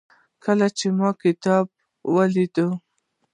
کله چې ما دا کتاب وليده